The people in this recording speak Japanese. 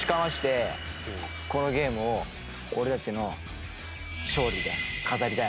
このゲームを俺たちの勝利で飾りたいなと思います。